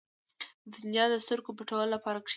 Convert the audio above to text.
• د دنیا نه د سترګو پټولو لپاره کښېنه.